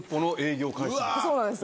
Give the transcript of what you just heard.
そうなんです。